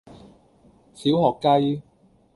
小學雞